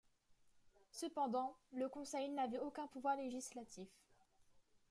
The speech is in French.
Cependant, le conseil n'avait aucun pouvoir législatif.